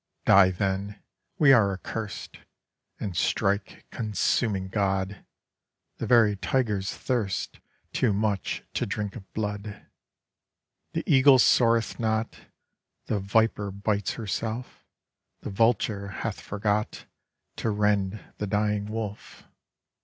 Die then; we are accurst! And strike, consuming God! The very tigers thirst Too much to drink of blood; The eagle soareth not; The viper bites herself; The vulture hath forgot To rend the dying wolf.